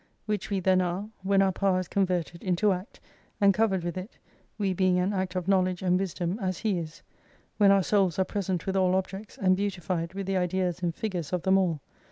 Which we then are, when our power is converted into Act, and covered with it, we being an Act of KNOWLEDGE and WISDOM as He is : When our Souls are present with all objects, and beautified with the ideas and figures of them all.